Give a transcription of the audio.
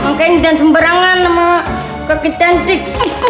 makanya udah sembarangan sama kaki cantik